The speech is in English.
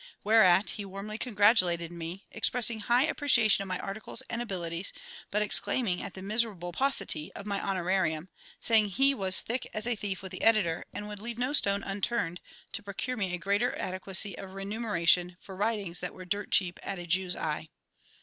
Whereat he warmly congratulated me, expressing high appreciation of my articles and abilities, but exclaiming at the miserable paucity of my honorarium, saying he was thick as a thief with the Editor, and would leave no stone unturned to procure me a greater adequacy of remuneration for writings that were dirt cheap at a Jew's eye.